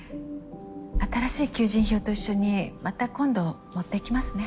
新しい求人票と一緒にまた今度持っていきますね。